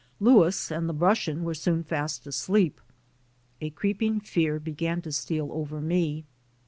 Louis and the Russian were soon fast asleep. A creeping fear began to steal over me.